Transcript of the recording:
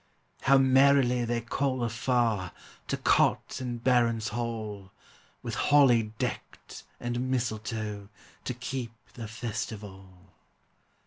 How merrily they call afar, To cot and baron's hall, With holly decked and mistletoe, To keep the festival!